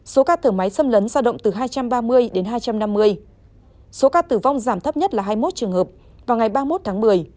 số ca thở máy xâm lấn giao động từ hai trăm ba mươi đến hai trăm năm mươi số ca tử vong giảm thấp nhất là hai mươi một trường hợp vào ngày ba mươi một tháng một mươi